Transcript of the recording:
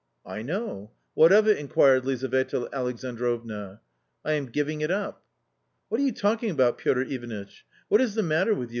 " I know ; what of it ?" inquired Lizaveta Alexandrovna. " I am giving it up." " What are you talking about, Piotr Ivanitch ? What is the matter with you?"